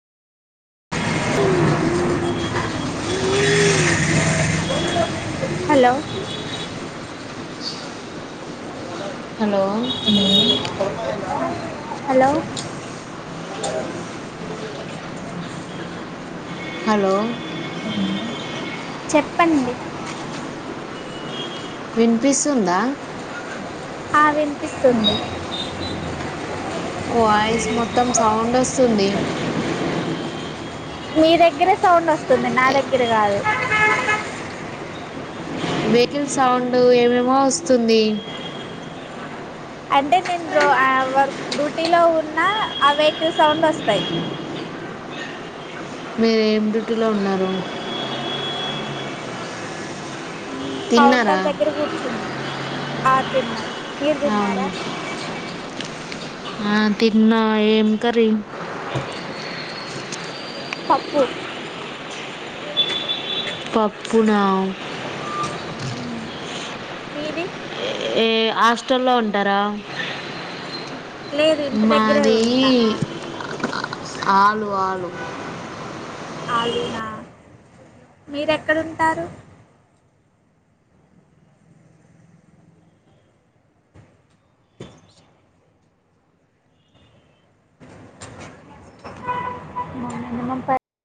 hello hello ఏ hello hello చెప్పండి వినిపిస్తుందా ఆ వినిపిస్తుంది వాయిస్ మొత్తం సౌండ్ వస్తుంది మీ దగ్గరే సౌండ్ వస్తుంది నా దగ్గర కాదు వెహికల్ సౌండ్ ఏమేమో వస్తుంది అంటే నేను ర వర్ డ్యూటీ లో ఉన్నా ఆ వెహికల్ సౌండ్ వస్తాయి మీర ఏం రటులో ఉన్నారు తిన్నారా కౌంటర్ దగ్గర కూర్చునా ఆ తిన్నాం మీరు తిన్నారా అవును ఆ తిన్నా ఏం కరీ పప్పు పప్పు నా మీది ఏ హాస్టల్లో ఉంటారా లేదు ఇంటి దగ్గరే మది ఉంటా ఆలు ఆలు అలుూనా మీరు ఎక్కడుంటారు నిమపై